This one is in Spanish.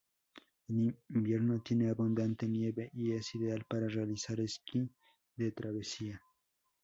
En invierno tiene abundante nieve y es ideal para realizar esquí de travesía.